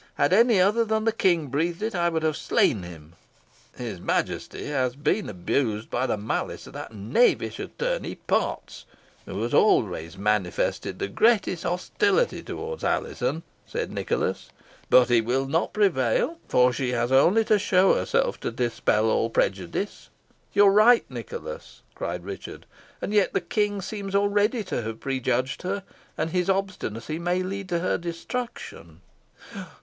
Had any other than the King breathed it, I would have slain him." "His Majesty has been abused by the malice of that knavish attorney, Potts, who has always manifested the greatest hostility towards Alizon," said Nicholas; "but he will not prevail, for she has only to show herself to dispel all prejudice." "You are right, Nicholas," cried Richard; "and yet the King seems already to have prejudged her, and his obstinacy may lead to her destruction."